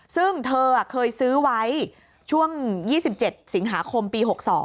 ซึ่งเธอเคยซื้อไว้ช่วง๒๗สิงหาคมปี๖๒